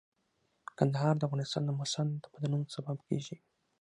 کندهار د افغانستان د موسم د بدلون سبب کېږي.